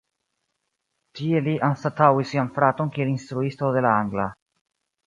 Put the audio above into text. Tie li anstataŭis sian fraton kiel instruisto de la angla.